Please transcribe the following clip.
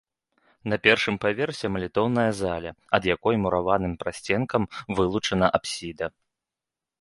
На першым паверсе малітоўная зала, ад якой мураваным прасценкам вылучана апсіда.